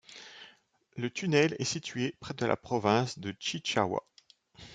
Le tunnel est situé dans la province de Chichaoua.